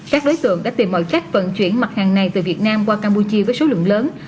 các đối tượng đã tìm mọi cách vận chuyển mặt hàng này từ việt nam qua campuchia với số lượng lớn